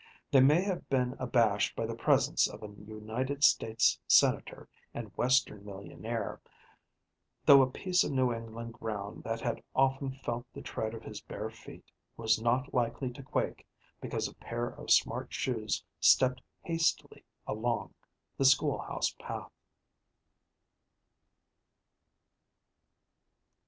They may have been abashed by the presence of a United States Senator and Western millionaire, though a piece of New England ground that had often felt the tread of his bare feet was not likely to quake because a pair of smart shoes stepped hastily along the school house path.